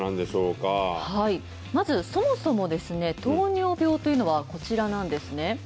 まず、そもそも糖尿病というのは、こちらなんですね。